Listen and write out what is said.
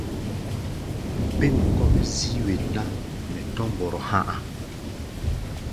Bêm kɔ́-mɛ́ zíí wen ná, mɛ tɔ̧́ mbɔrɔ há̧ a̧.